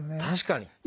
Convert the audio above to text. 確かに。